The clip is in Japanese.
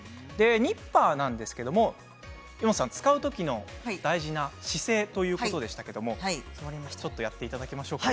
ニッパーなんですがイモトさん使う時の大事な姿勢ということでしたけれどやっていただけますか。